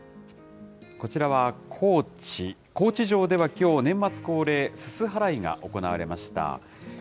こちらは高知、高知城ではきょう、年末恒例、すす払いが行われました。